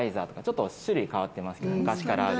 ちょっと種類変わってますけど昔からある。